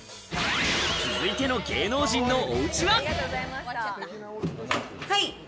続いての芸能人のおうちは。